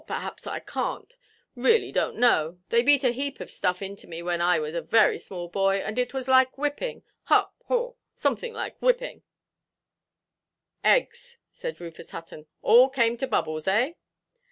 "Haw! Perhaps I canʼt. Really donʼt know; they beat a heap of stuff into me when I was a very small boy; and it was like whipping—ha, haw, something like whipping——" "Eggs," said Rufus Hutton, "all came to bubbles, eh?"